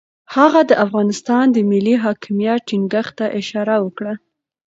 هغه د افغانستان د ملي حاکمیت ټینګښت ته اشاره وکړه.